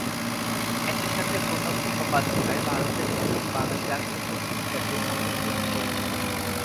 একই সাথে প্রণব মুখোপাধ্যায় ভারতের প্রথম বাঙালি রাষ্ট্রপতি হিসেবে শপথ গ্রহণ করেছেন।